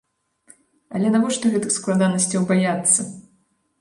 Але навошта гэтых складанасцяў баяцца?